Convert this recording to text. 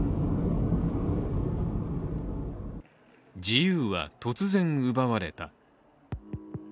自由は突然奪われた。